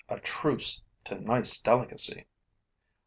A truce to nice delicacy!